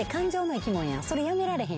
それやめられへんやんか。